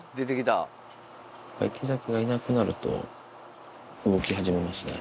池崎がいなくなると、動き始めますね。